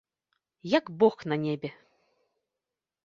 Як бог на небе!